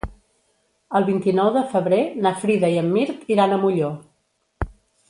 El vint-i-nou de febrer na Frida i en Mirt iran a Molló.